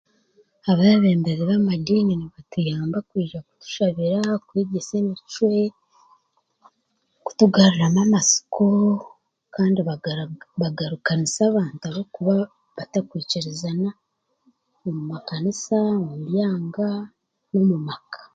Abeebembezi b'amadiini nitubenda kwija kutushabira, kwegyesa emicwe, kugaruramu amasiko, kandi bagarukanisa abantu kuba batarikwikirizana omu makanisa, omu byanga, n'omu maka.